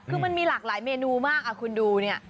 คือมันมีหลากหลายเมนูมากคุณดูเนี่ย